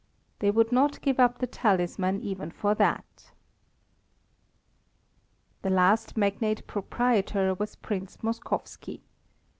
They would not give up the talisman even for that. The last magnate proprietor was Prince Moskowski.